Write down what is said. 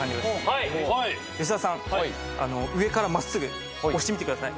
吉沢さん上から真っすぐ押してみてください。